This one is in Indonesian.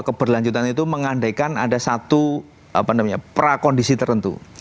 keberlanjutan itu mengandaikan ada satu prakondisi tertentu